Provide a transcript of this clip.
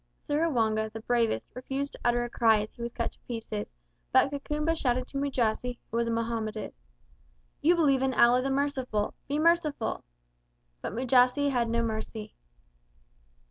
Seruwanga, the bravest, refused to utter a cry as he was cut to pieces, but Kakumba shouted to Mujasi, who was a Mohammedan, "You believe in Allah the Merciful. Be merciful!" But Mujasi had no mercy.